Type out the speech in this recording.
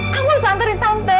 kamu harus nantarin tante ya